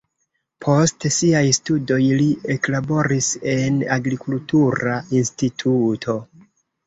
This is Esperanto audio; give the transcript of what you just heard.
Post siaj studoj li eklaboris en agrikultura instituto.